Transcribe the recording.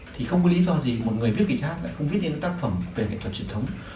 thì không có lý do gì một người viết kịch hát lại không viết lên tác phẩm về nghệ thuật truyền thống